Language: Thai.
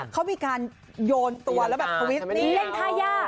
เขามีการโยนตัวแล้วแบบเล่นท่ายาก